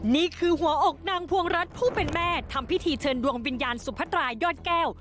นี่คือหัวอกนางพวงรัฐผู้เป็นแม่ทำพิธีเชิญดวงวิญญาณสุพัตรายอดแก้ว